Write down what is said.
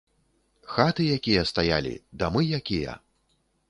Хаты якія стаялі, дамы якія!